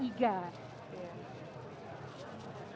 ini menggunakan iga